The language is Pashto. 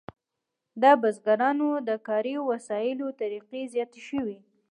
د بزګرانو د کاري وسایلو طریقې زیاتې شوې.